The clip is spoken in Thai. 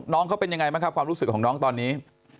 น้องเขาเป็นยังไงบ้างครับความรู้สึกของน้องตอนนี้